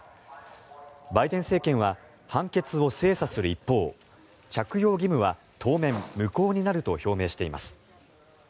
バイデン政権は判決を精査する一方着用義務は当面、無効になると表明しています。